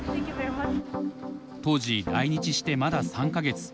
当時来日してまだ３か月。